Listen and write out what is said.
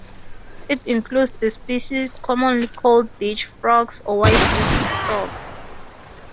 It includes the species commonly called ditch frogs or white-lipped frogs.